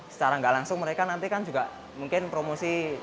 secara nggak langsung mereka nanti kan juga mungkin promosi